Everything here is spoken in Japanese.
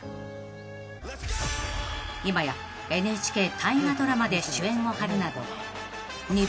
［今やＮＨＫ大河ドラマで主演を張るなど］